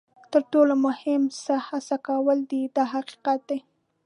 تر ټولو مهم څه هڅه کول دي دا حقیقت دی.